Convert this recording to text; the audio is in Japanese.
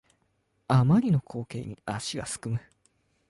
あまりの光景に足がすくむ